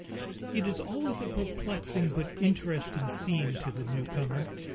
It is always a perplexing but interesting scene to the newcomer.